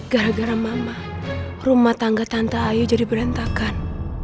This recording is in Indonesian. gara gara mama rumah tangga tante ayu jadi berantakan